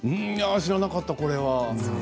知らなかった、これは。